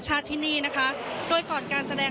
ก็จะมีการพิพากษ์ก่อนก็มีเอ็กซ์สุข่อน